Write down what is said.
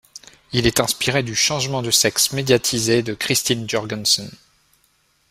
Il est inspiré du changement de sexe médiatisé de Christine Jorgensen.